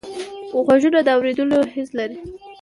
غوږونه د اوریدلو حس لري